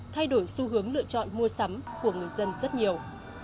thay đổi xu hướng lựa chọn mua sắm của người dân rất nhiều